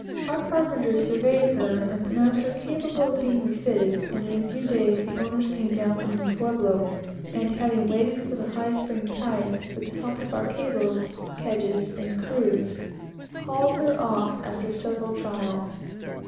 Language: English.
Our carpenter surveyed her, and pronounced her capable of refitting, and in a few days the owners came down from the Pueblo, and, waiting for the high spring tides, with the help of our cables, kedges, and crew, got her off and afloat, after several trials.